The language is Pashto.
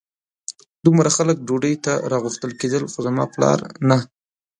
دومره خلک ډوډۍ ته راغوښتل کېدل خو زما پلار نه.